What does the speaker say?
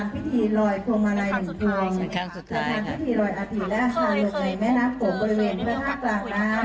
เป็นครั้งสุดท้ายใช่ไหมคะเป็นครั้งสุดท้ายค่ะ